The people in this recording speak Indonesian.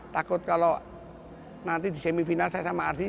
takut kalau nanti di semifinal saya sama ardi